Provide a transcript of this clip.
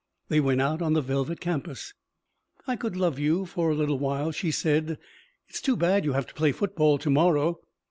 They went out on the velvet campus. "I could love you for a little while," she said. "It's too bad you have to play football to morrow."